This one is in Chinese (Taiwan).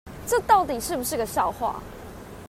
這到底是不是個笑話